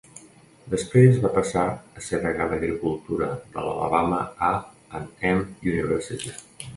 Després va passar a ser degà d'agricultura de l'Alabama A and M University.